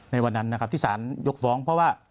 ในวันนั้นนะครับที่สารยกฟ้องเพราะว่า